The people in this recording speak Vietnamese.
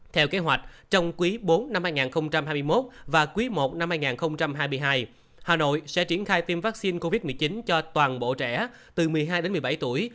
theo kế hoạch trong quý bốn năm hai nghìn hai mươi một và quý i năm hai nghìn hai mươi hai hà nội sẽ triển khai tiêm vaccine covid một mươi chín cho toàn bộ trẻ từ một mươi hai đến một mươi bảy tuổi